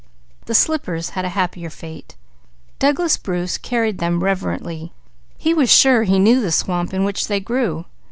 The slippers had a happier fate. Douglas Bruce carried them reverently. He was sure he knew the swamp in which they grew.